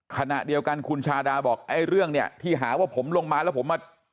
ขณะเดียวกันคุณชาดาบอกไอ้เรื่องเนี่ยที่หาว่าผมลงมาแล้วผมมา